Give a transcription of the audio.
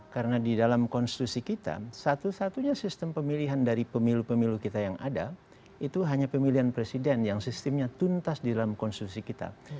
karena di dalam konstitusi kita satu satunya sistem pemilihan dari pemilu pemilu kita yang ada itu hanya pemilihan presiden yang sistemnya tuntas di dalam konstitusi kita